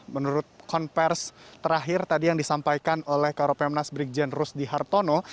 menurut konvers terakhir tadi yang disampaikan oleh karopemnas brigjen rus di hartono